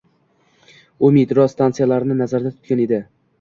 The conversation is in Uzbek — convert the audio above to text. U metro stansiyalarini nazarda tutgan edi.